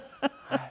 はい。